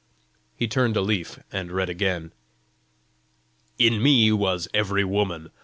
He turned a leaf and read again: "In me was every woman.